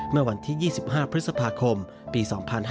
เมื่อวันที่๒๕พศพครมปี๒๕๕๕